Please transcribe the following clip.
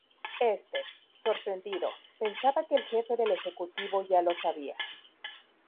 Este, sorprendido, pensaba que el jefe del ejecutivo ya lo sabía.